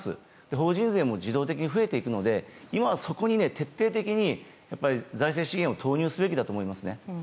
法人税も自動的に増えていくので今はそこに徹底的に財政資源を投入すべきだと思います。